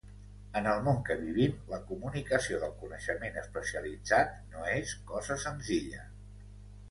En el món que vivim, la comunicació del coneixement especialitzat no és cosa senzilla.